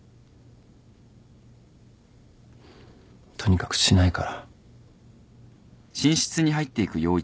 とにかくしないから。